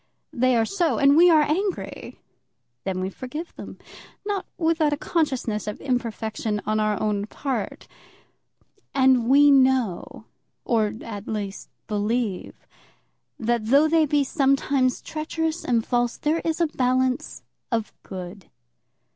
They are so, and we are angry. Then we forgive them, not without a consciousness of imperfection on our own part. And we know or, at least, believe, that though they be sometimes treacherous and false, there is a balance of good.